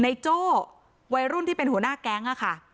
โจ้วัยรุ่นที่เป็นหัวหน้าแก๊งอะค่ะ